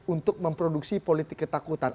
untuk memproduksi politik ketakutan